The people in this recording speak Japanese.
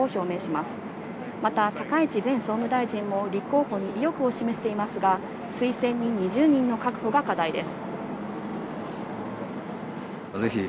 また高市前総務大臣も立候補に意欲を示していますが、推薦人２０人の確保が課題です。